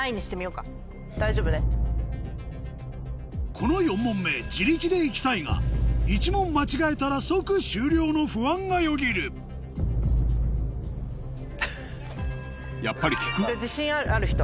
この４問目自力で行きたいが１問間違えたら即終了の不安がよぎるやっぱり。